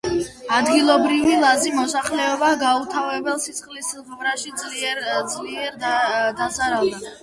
ადგილობრივი ლაზი მოსახლეობა გაუთავებელ სისხლისღვრაში ძლიერ დაზარალდა.